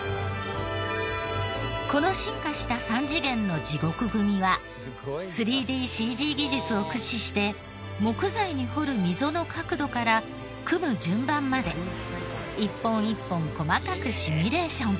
この進化した３次元の地獄組は３ＤＣＧ技術を駆使して木材に掘る溝の角度から組む順番まで一本一本細かくシミュレーション。